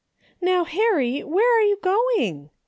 "How, Harry, where are you going?